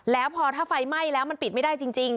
แล้วพอถ้าไฟไหม้แล้วมันปิดไม่ได้จริง